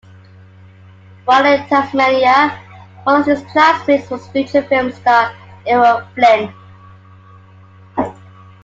While in Tasmania one of his classmates was future film star Errol Flynn.